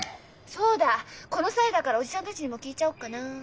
そうだこの際だから叔父ちゃんたちにも聞いちゃおっかな？